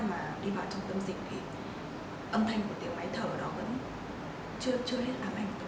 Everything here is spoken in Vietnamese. mà đi vào trong tâm dịch thì âm thanh của tiếng máy thở đó vẫn chưa hết ám ảnh